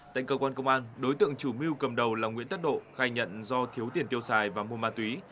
tại cơ quan công an đối tượng chủ mưu cầm đầu là nguyễn tất độ khai nhận do thiếu tiền tiêu xài và mua ma túy